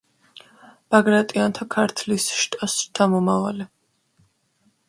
ბაგრატიონთა ქართლის შტოს შთამომავალი.